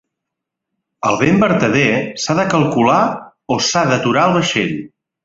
El vent vertader s'ha de calcular o s'ha d'aturar el vaixell.